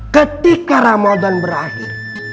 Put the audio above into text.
ketika ramadan berakhir